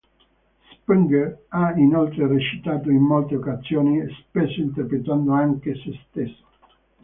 Springer ha inoltre recitato in molte occasioni, spesso interpretando anche se stesso.